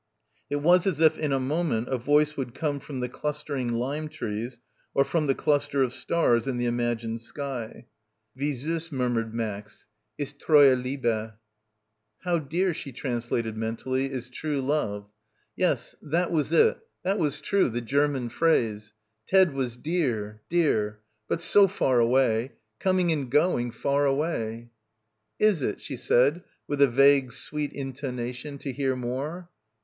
It was as if in a moment a voice would come from the clustering lime trees or from the cluster of stars in the imagined sky. "Wie suss," murmured Max, "ist treue Liebe." "How dear," she translated mentally, "is true love." Yes, that was it, that was true, the Ger 6 4 BACKWATER man phrase. Ted was dear, dear. But so far away. Coming and going, far away. "Is it?" she said with a vague, sweet intona tion, to hear more.